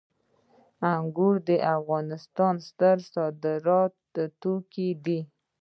انګور د افغانستان ستر صادراتي توکي دي